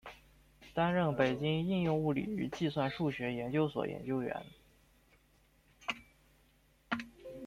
担任北京应用物理与计算数学研究所研究员。